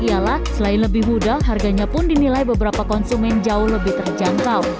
ialah selain lebih mudah harganya pun dinilai beberapa konsumen jauh lebih terjangkau